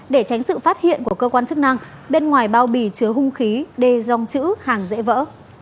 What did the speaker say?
để tránh sự phát hiện của cơ quan chức năng bên ngoài bao bì chứa hung khí đê dòng chữ hàng dễ vỡ